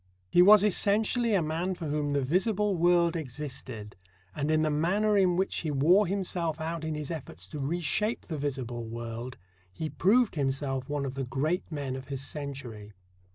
He was essentially a man for whom the visible world existed, and in the manner in which he wore himself out in his efforts to reshape the visible world he proved himself one of the great men of his century.